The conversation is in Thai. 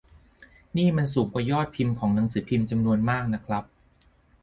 นี่มันสูงกว่ายอดพิมพ์ของหนังสือพิมพ์จำนวนมากนะครับ